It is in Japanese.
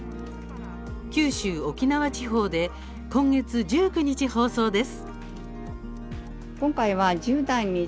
九州・沖縄地方で今月１９日放送です。